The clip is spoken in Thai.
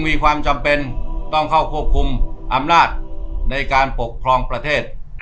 แต่อยากมากินภาษีประชาชนนั่นเรียกว่า